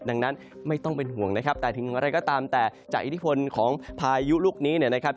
ดังนั้นไม่ต้องเป็นห่วงนะครับแต่ถึงอะไรก็ตามแต่จากอิทธิพลของพายุลูกนี้เนี่ยนะครับ